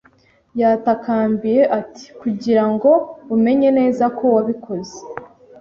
Yatakambiye ati: “Kugira ngo umenye neza ko wabikoze.”